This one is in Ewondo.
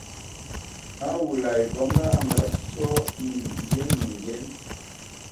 Awulu ai bɔngɔ anga sɔ mimbean mimbean.